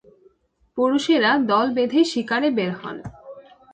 পুরুষেরা দল বেঁধে শিকারে বের হন।